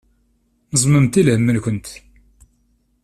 Neẓmemt i lhem-nkent.